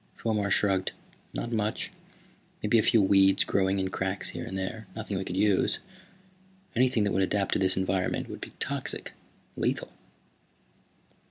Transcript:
Fomar shrugged. "Not much. Maybe a few weeds growing in cracks here and there. Nothing we could use. Anything that would adapt to this environment would be toxic, lethal."